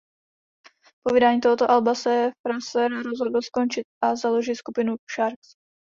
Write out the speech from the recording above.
Po vydání tohoto alba se Fraser rozhodl skončit a založit skupinu Sharks.